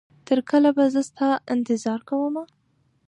تر کله به زه ستا انتظار کومه